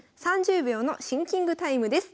３０秒のシンキングタイムです。